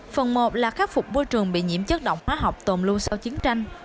phần một là khắc phục môi trường bị nhiễm chất độc hóa học tồn lưu sau chiến tranh